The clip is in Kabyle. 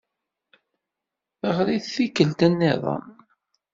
Ɣer-it tikkelt niḍen.